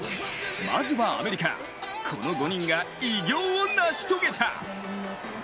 まずはアメリカ、この５人が偉業を成し遂げた。